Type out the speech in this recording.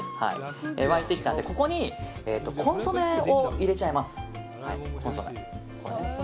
沸いてきたのでここにコンソメを入れちゃいます。